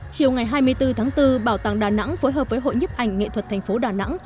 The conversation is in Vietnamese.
chiều ngày hai mươi bốn tháng bốn bảo tàng đà nẵng phối hợp với hội nhấp ảnh nghệ thuật thành phố đà nẵng